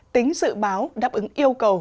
tính dự báo đáp ứng yêu cầu